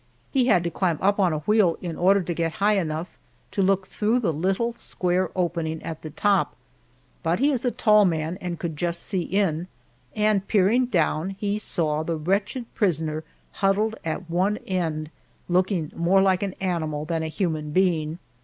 He had to climb up on a wheel in order to get high enough to look through the little square opening at the top, but he is a tall man and could just see in, and peering down he saw the wretched prisoner huddled at one end, looking more like an animal than a human being.